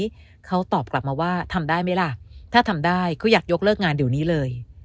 ตอนนี้เขาตอบกลับมาว่าทำได้ไหมล่ะถ้าทำได้เขาอยากยกเลิกงานเดี๋ยวนี้เลย